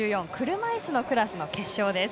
車いすのクラスの決勝です。